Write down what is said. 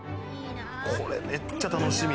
これめっちゃ楽しみ。